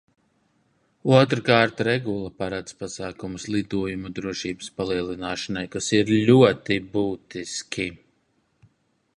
Otrkārt, regula paredz pasākumus lidojumu drošības palielināšanai, kas ir ļoti būtiski.